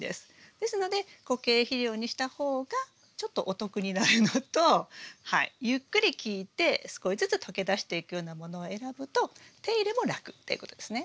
ですので固形肥料にした方がちょっとお得になるのとゆっくり効いて少しずつ溶け出していくようなものを選ぶと手入れも楽っていうことですね。